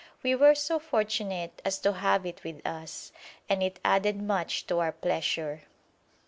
We were so fortunate as to have it with us, and it added much to our pleasure.